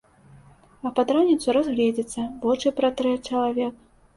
А пад раніцу разгледзіцца, вочы пратрэ чалавек.